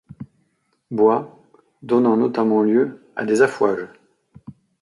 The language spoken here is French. Bois, donnant notamment lieu à des affouages.